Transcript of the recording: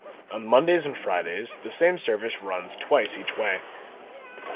On Mondays and Fridays, the same service runs twice each way.